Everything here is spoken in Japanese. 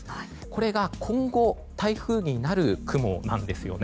これが今後台風になる雲なんですよね。